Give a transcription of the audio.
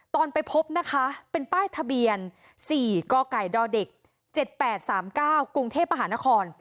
ตอนไปพบนะคะเป็นป้ายทะเบียนสี่กไก่ด่อเด็กเจ็ดแปดสามเก้ากรุงเทพฯมหานคร